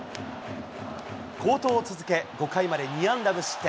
好投を続け、５回まで２安打無失点。